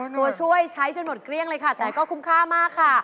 ตัวช่วยใช้จนหมดเกลี้ยงเลยค่ะแต่ก็คุ้มค่ามากค่ะ